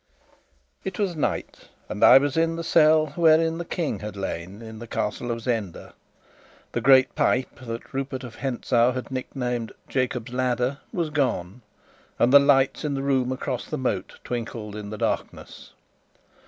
It was night, and I was in the cell wherein the King had lain in the Castle of Zenda. The great pipe that Rupert of Hentzau had nicknamed "Jacob's Ladder" was gone, and the lights in the room across the moat twinkled in the darkness.